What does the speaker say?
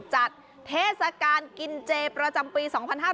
เทศกาลกินเจประจำปี๒๕๕๙